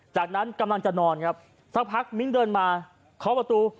จากนั้นกำลังจะนอนครับสักพักมิ้นเดินมาเคาะประตู